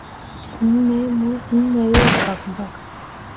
Siŋ mai mo heme yo bakbak.